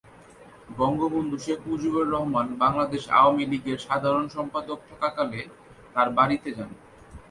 বঙ্গবন্ধু শেখ মুজিবুর রহমান বাংলাদেশ আওয়ামী লীগের সাধারণ সম্পাদক থাকাকালে তার বাড়িতে যান।